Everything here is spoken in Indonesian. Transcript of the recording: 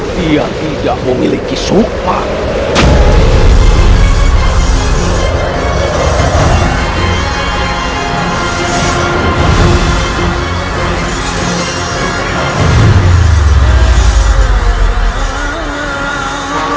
dia tidak memiliki sukma